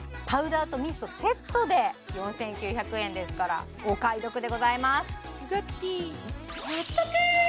パウダーとミストセットで４９００円ですからお買い得でございます